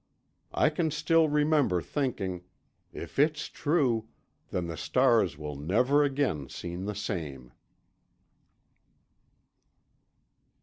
I can still remember thinking, If it's true, then the stars will never again seem the same.